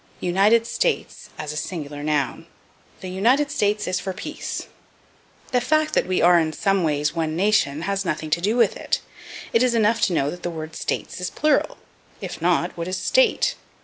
United States as a Singular Noun. "The United States is for peace." The fact that we are in some ways one nation has nothing to do with it; it is enough to know that the word States is plural if not, what is State?